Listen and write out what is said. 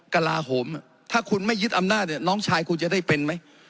กระลาโหมถ้าคุณไม่ยึดอำนาจเนี่ยน้องชายคุณจะได้เป็นไหม